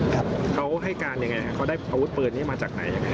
เขาให้การยังไงเขาได้อาวุธเปินนี้มาจากไหน